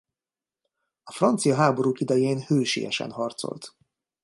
A francia háborúk idején hősien harcolt.